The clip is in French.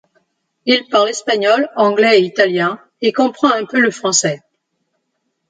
Il parle espagnol, anglais et italien et comprend un peu le français.